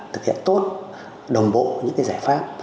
thực hiện tốt đồng bộ những cái giải pháp